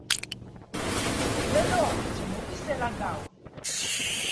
Vsi vedo, čemu bi se lagal?